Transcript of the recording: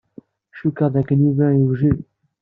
Cukkeɣ d akken Yuba iwjed.